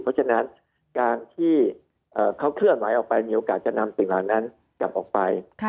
เพราะฉะนั้นการที่เขาเคลื่อนไหวออกไปมีโอกาสจะนำสิ่งเหล่านั้นกลับออกไป